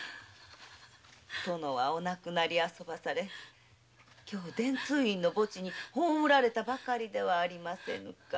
殿はお亡くなりになり今日伝通院の墓地に葬られたばかりではありませんか。